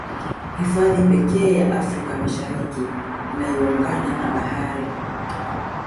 Hifadhi pekee Afrika Mashariki inayoungana na Bahari